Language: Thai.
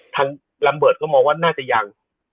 ท่านรัมเบิร์ตก็มองว่าน่าจะยัง